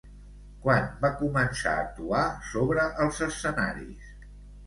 Quan va començar a actuar sobre els escenaris?